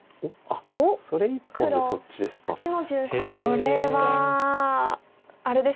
これはあれですか？